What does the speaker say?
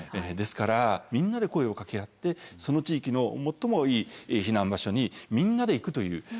ですからみんなで声をかけ合ってその地域の最もいい避難場所にみんなで行くという。